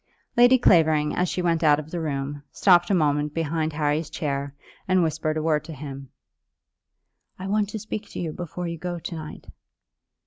Lady Clavering as she went out of the room stopped a moment behind Harry's chair and whispered a word to him. "I want to speak to you before you go to night."